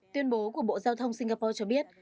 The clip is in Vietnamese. tuyên bố của bộ giao thông singapore cho biết